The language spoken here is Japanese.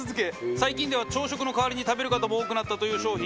最近では朝食の代わりに食べる方も多くなったという商品。